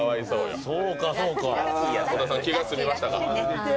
小田さん、気が済みましたか？